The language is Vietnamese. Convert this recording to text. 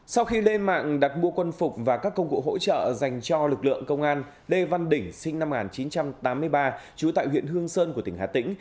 sau khi lên mạng đặt mua quân phục và các công cụ hỗ trợ dành cho lực lượng công an lê văn đỉnh sinh năm một nghìn chín trăm tám mươi ba trú tại huyện hương sơn của tỉnh hà tĩnh